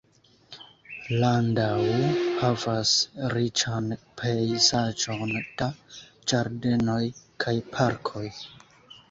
Landau havas riĉan pejzaĝon da ĝardenoj kaj parkoj.